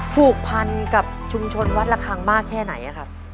ผูกพันกับชุมชนวัดระคังมากแค่ไหนครับ